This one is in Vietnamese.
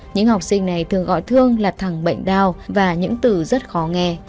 những học sinh này thường gọi thương là thẳng bệnh đau và những từ rất khó nghe